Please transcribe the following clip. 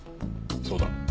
そうだ。